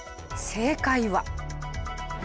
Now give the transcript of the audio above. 正解は。